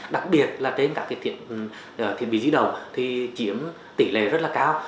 đặc biệt là trên các tiệm bí dĩ đồng thì chiếm tỉ lệ rất cao